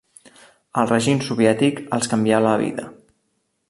El règim soviètic els canvià la vida.